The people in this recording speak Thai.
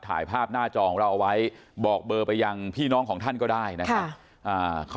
ถ่ายภาพหน้าจอของเราเอาไว้บอกเบอร์ไปยังพี่น้องของท่านก็ได้นะครับ